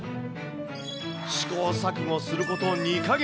試行錯誤すること２か月。